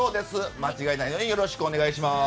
間違いないようによろしくお願いします。